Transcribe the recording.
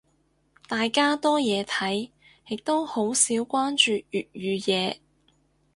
大家多嘢睇，亦都好少關注粵語嘢。